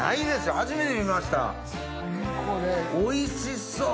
おいしそっ！